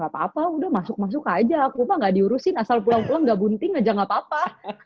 gapapa udah masuk masuk aja kupa ga diurusin asal pulang pulang ga bunting aja gapapa